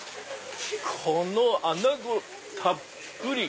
この穴子たっぷり。